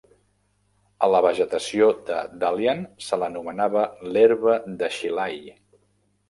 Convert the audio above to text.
A la vegetació de Dalian se l'anomenava "l'herba de Xilai".